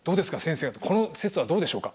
この説はどうでしょうか？